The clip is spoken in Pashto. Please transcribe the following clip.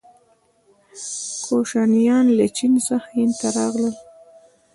کوشانیان له چین څخه هند ته راغلل.